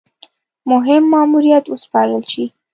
مهم ماموریت وسپارل شي.